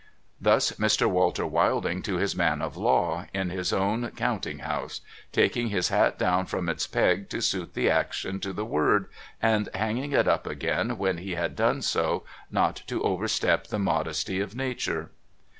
Thus Mr, Walter Wilding to his man of law, in his own counting house ; taking his hat down from its peg to suit the action to the word, and hanging it up again when he had done so, not to overstep the modesty of nature.